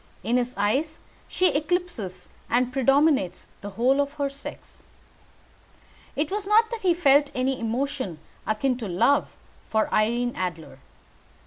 In his eyes she eclipses and predominates the whole of her sex. It was not that he felt any emotion akin to love for Irene Adler.